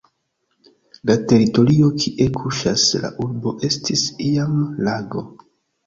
La teritorio kie kuŝas la urbo estis iam lago.